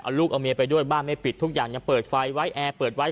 เอาลูกเอาเมียไปด้วยบ้านไม่ปิดทุกอย่างยังเปิดไฟไว้แอร์เปิดไว้